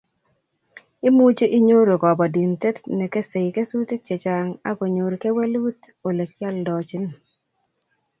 Imuch inyoru kobotindet nekesei kesutik chechang akonyor kewelut Ole kioldochin